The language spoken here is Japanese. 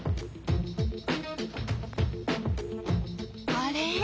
あれ？